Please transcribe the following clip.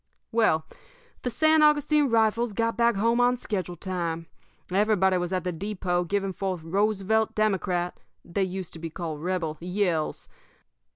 "Well, the San Augustine Rifles got back home on schedule time. Everybody was at the depot giving forth Roosevelt Democrat they used to be called Rebel yells.